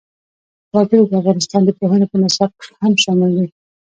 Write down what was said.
وګړي د افغانستان د پوهنې په نصاب کې هم شامل دي.